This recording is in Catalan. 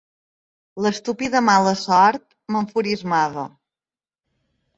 L'estúpida mala sort m'enfurismava